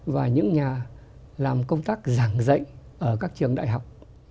và những nhà làm công tác giảng dạy ở các trường đại học